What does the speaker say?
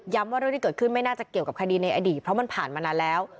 ว่าเรื่องที่เกิดขึ้นไม่น่าจะเกี่ยวกับคดีในอดีตเพราะมันผ่านมานานแล้ว